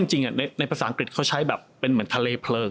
จริงในภาษาอังกฤษเขาใช้แบบเป็นเหมือนทะเลเพลิง